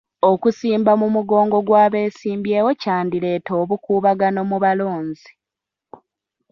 Okusimba mu mugongo gw'abesimbyewo kyandireeta obukuubagano mu balonzi.